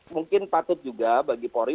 mungkin patut juga bagi polri